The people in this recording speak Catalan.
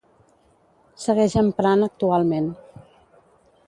Segueix emprant actualment.